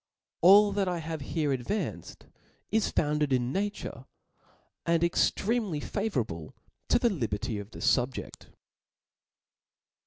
All that I have here advanced, is founded 141 rtature, and extremely favourable to the liberty of thefubjeft.